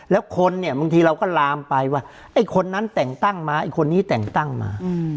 แล้วคนเนี่ยบางทีเราก็ลามไปว่าไอ้คนนั้นแต่งตั้งมาไอ้คนนี้แต่งตั้งมา